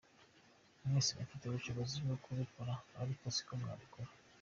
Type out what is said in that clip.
Mwese mufite ubushobozi bwo kubikora ariko siko mwabikora.